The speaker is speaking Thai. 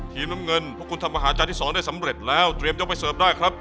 น้ำเงินพวกคุณทำอาหารจานที่๒ได้สำเร็จแล้วเตรียมยกไปเสิร์ฟได้ครับ